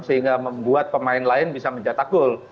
sehingga membuat pemain lain bisa mencetak gol